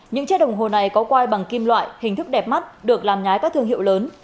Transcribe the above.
những chiếc đồng hồ này có quai bằng kim loại hình thức đẹp mắt được làm nhái các thương hiệu lớn